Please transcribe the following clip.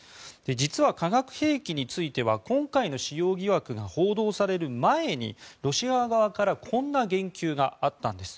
実は化学兵器については今回の使用疑惑が報道される前にロシア側からこんな言及があったんです。